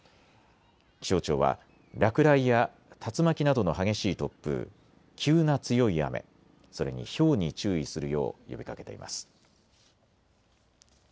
気象庁は落雷や竜巻などの激しい突風、急な強い雨、それにひょうに注意するよう呼びかけています。